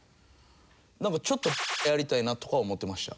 なんかちょっとやりたいなとかは思ってました。